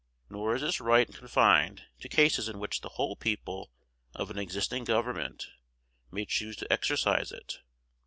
Nor is this right confined to cases in which the whole people of an existing government may choose to exercise it.